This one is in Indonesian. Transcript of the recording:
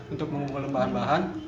untuk mengumpulkan bahan bahan